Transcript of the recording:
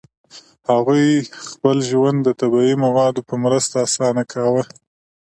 هغوی خپل ژوند د طبیعي موادو په مرسته اسانه کاوه.